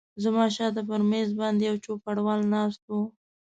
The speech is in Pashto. زما شاته پر مېز باندې یو چوپړوال ناست و.